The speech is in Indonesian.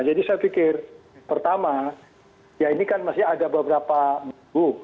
jadi saya pikir pertama ya ini kan masih ada beberapa buku